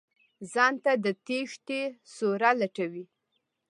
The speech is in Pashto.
ځان ته د تېښتې سوړه لټوي.